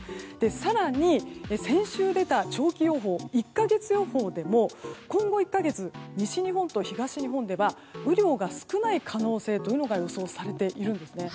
更に、先週出た１か月予報でも今後１か月、西日本と東日本では雨量が少ない可能性が予想されているんですね。